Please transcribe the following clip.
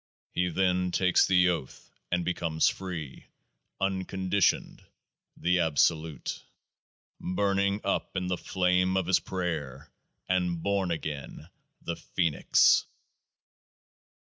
He then takes the Oath and becomes free — unconditioned — the Absolute. Burning up in the Flame of his Prayer, and born again — the Phoenix